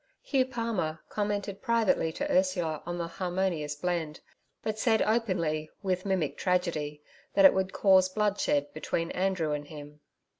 Hugh Palmer commented privately to Ursula on the harmonious blend, but said openly with mimic tragedy that it would cause bloodshed between Andrew and him.